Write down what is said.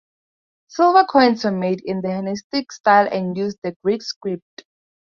Silver coins were made in the Hellenistic style and used the Greek script.